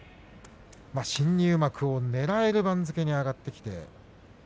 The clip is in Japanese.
新入幕を狙える番付に上がってきました。